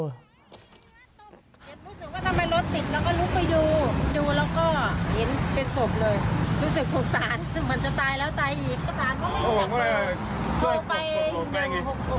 เจ๊รู้สึกว่าทำไมรถติดแล้วก็ลุกไปดู